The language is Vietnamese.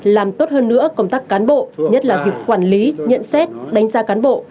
làm tốt hơn nữa công tác cán bộ nhất là việc quản lý nhận xét đánh giá cán bộ